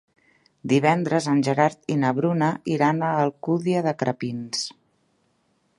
Divendres en Gerard i na Bruna iran a l'Alcúdia de Crespins.